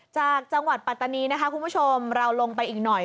จากจังหวัดปัตตานีนะคะคุณผู้ชมเราลงไปอีกหน่อย